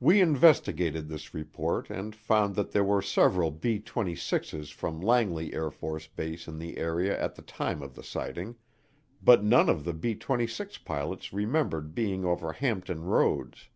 We investigated this report and found that there were several B 26's from Langley AFB in the area at the time of the sighting, but none of the B 26 pilots remembered being over Hampton Roads.